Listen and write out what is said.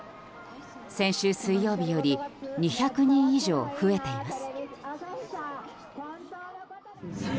先週水曜日より２００人以上増えています。